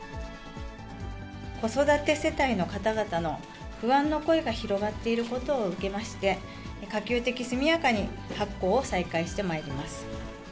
子育て世帯の方々の不安の声が広がっていることを受けまして、可及的速やかに発行を再開してまいります。